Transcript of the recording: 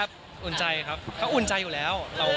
ฮับอุ่นใจครับเค้าอุ่นใจอยู่แล้ว